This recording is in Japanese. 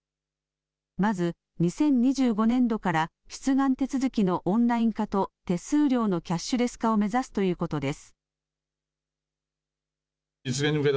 まず２０２５年度から出願手続きのオンライン化と手数料のキャッシュレス化を目指すということです。